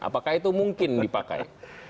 apakah itu mungkin dipakai